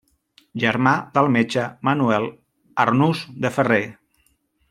Germà del metge Manuel Arnús de Ferrer.